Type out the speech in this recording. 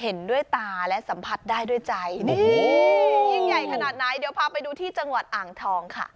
เห็นด้วยตาและสัมผัสได้ด้วยใจนี่ยิ่งใหญ่ขนาดไหนเดี๋ยวพาไปดูที่จังหวัดอ่างทองค่ะ